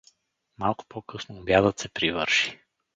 Малко по-късно обядът се привърши.